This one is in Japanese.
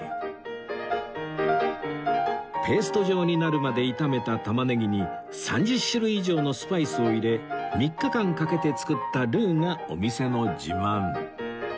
ペースト状になるまで炒めたタマネギに３０種類以上のスパイスを入れ３日間かけて作ったルーがお店の自慢